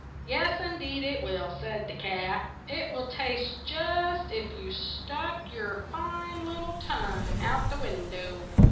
"Yes, in deed, it will," said the cat. "It will taste just as if you stuck your fine lit tle tongue out of the win dow.